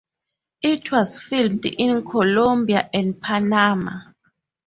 It was filmed in Colombia and Panama.